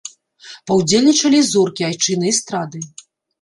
Паўдзельнічалі і зоркі айчыннай эстрады.